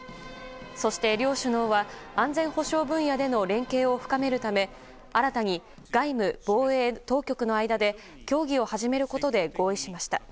そして両首脳は安全保障分野での連携を深めるため新たに外務・防衛当局の間で協議を始めることで合意をしました。